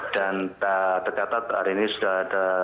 dan ternyata hari ini sudah ada